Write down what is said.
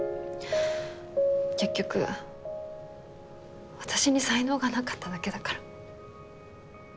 結局私に才能がなかっただけだから。